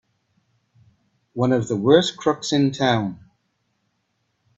One of the worst crooks in town!